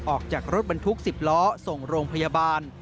ออกจากรถบรรทุก๑๐ล้อส่งโรงพยาบาล